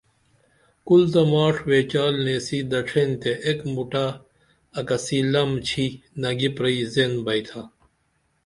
کُل تہ ماڜ ویچال نیسی دڇھین تے اِک موٹہ اکسی لم چھی نگی پرئی زین بئی تھا